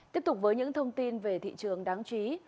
tiếp tục với những thông tin về thị trường đáng chí